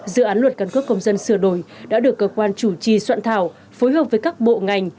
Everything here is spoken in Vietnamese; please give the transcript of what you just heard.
dự án luật căn cước công dân sửa đổi đã được cơ quan chủ trì soạn thảo phối hợp với các bộ ngành